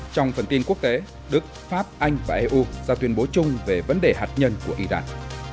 trong phần tin quốc tế đức pháp anh và eu ra tuyên bố chung về vấn đề hạt nhân của iran